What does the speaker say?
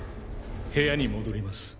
部屋に戻ります。